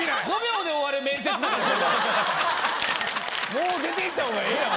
もう出ていった方がええやん。